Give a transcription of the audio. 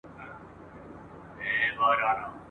په خپل وخت کي یې هم ..